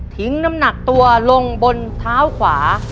น้ำหนักตัวลงบนเท้าขวา